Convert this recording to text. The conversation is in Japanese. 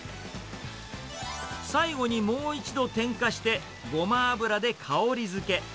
最後にもう一度点火して、ゴマ油で香り付け。